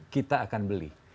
kita akan beli